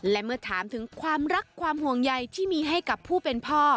และเมื่อถามถึงความรักความห่วงใยที่มีให้กับผู้เป็นพ่อ